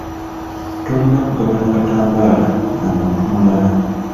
Tolina kugabana katambaala na muntu mulala.